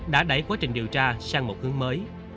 đã đẩy quá trình điều tra sang một hướng mới